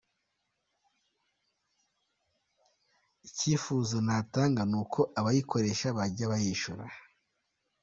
Icyifuzo natanga ni uko abayikoresha bajya bayishyura”.